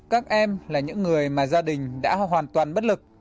các em là những người mà gia đình đã hoàn toàn bất lực